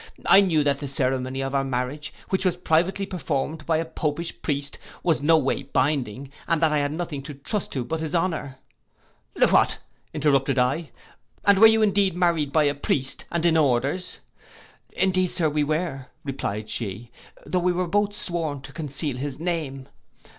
I knew that the ceremony of our marriage, which was privately performed by a popish priest, was no way binding, and that I had nothing to trust to but his honour.' 'What,' interrupted I, 'and were you indeed married by a priest, and in orders?'—'Indeed, Sir, we were,' replied she, 'though we were both sworn to conceal his name.